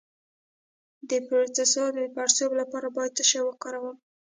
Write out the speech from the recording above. د پروستات د پړسوب لپاره باید څه شی وکاروم؟